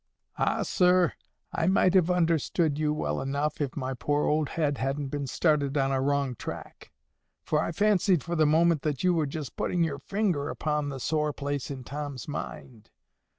"Ah, sir, I might have understood you well enough, if my poor old head hadn't been started on a wrong track. For I fancied for the moment that you were just putting your finger upon the sore place in Tom's mind.